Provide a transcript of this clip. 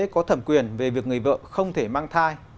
có thẩm quyền về việc người vợ không thể mang thai